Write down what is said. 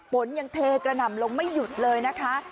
ฝนยังเทกระหน่ำลงไม่หยุดเลยนะคะ